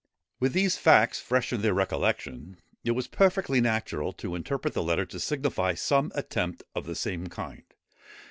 With these facts fresh in their recollection, it was perfectly natural to interpret the letter to signify some attempt of the same kind.